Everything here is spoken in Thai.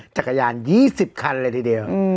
จักรยาน๒๐คันเลยทีเดียว